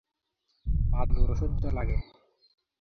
বাদুড় অসহ্য লাগে।